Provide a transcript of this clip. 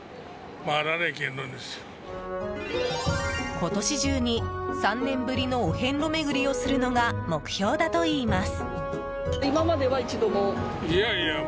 今年中に３年ぶりのお遍路巡りをするのが目標だといいます。